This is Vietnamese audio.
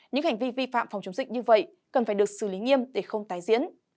những hành vi vi phạm phòng chống dịch như vậy cần phải được xử lý nghiêm để không tái diễn